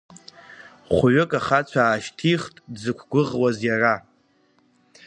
Хәҩык ахацәа аашьҭихт дзықәгәыӷуаз иара.